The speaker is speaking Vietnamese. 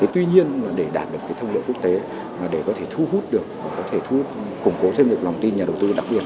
tuy nhiên để đạt được cái thông liệu quốc tế để có thể thu hút được có thể thú hút củng cố thêm được lòng tin nhà đầu tư đặc biệt